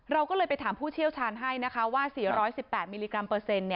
เราก็เลยไปถามผู้เชี่ยวชาญให้นะคะว่า๔๑๘มิลลิกรัมเปอร์เซ็นต์